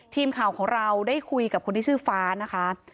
ทีมข่าวของเราได้คุยกับคนที่ชื่อฟ้านะคะ